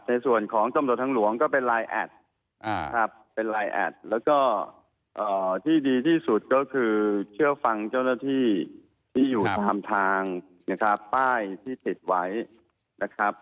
ในส่วนของตำรวจทางหลวงก็เป็นไลน์แอดครับเป็นไลน์แอดแล้วก็ที่ดีที่สุดก็คือเชื่อฟังเจ้าหน้าที่ที่อยู่ตามทางนะครับป้ายที่ติดไว้นะครับ